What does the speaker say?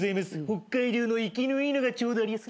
北海道の生きのいいのがちょうどありやす。